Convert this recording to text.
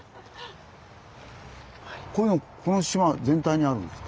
こういうのこの島全体にあるんですか？